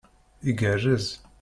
Igarrez!